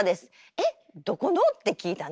「えっどこの？」って聞いたの。